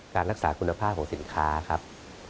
รักษาคุณภาพของสินค้าครับ